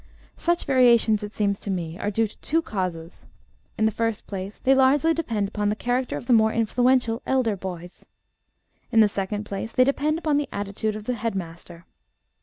Such variations, it seems to me, are due to two causes. In the first place, they largely depend upon the character of the more influential elder boys. In the second place, they depend upon the attitude of the head master.